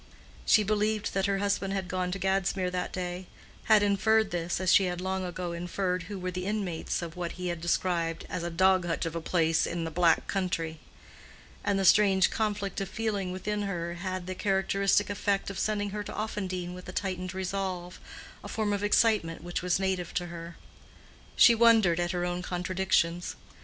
She believed that her husband had gone to Gadsmere that day—had inferred this, as she had long ago inferred who were the inmates of what he had described as "a dog hutch of a place in a black country;" and the strange conflict of feeling within her had had the characteristic effect of sending her to Offendene with a tightened resolve—a form of excitement which was native to her. She wondered at her own contradictions.